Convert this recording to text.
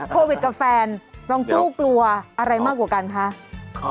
โควิดกับแฟนรองตู้กลัวอะไรมากกว่ากันคะ